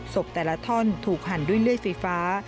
แต่ละท่อนถูกหั่นด้วยเลื่อยไฟฟ้า